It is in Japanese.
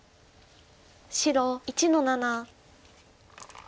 白１の七。